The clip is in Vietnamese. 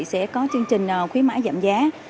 sẽ có chương trình khuyến mãi giảm giá